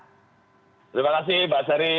terima kasih pak seri